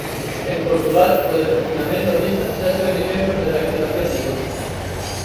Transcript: En Portugal co desconfinamento á vista xa se ven exemplos de reactivación da industria.